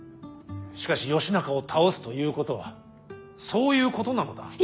しかし義仲を倒すということはそういうことなのだ。